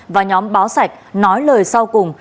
và nhóm báo sạch nói lời sau cùng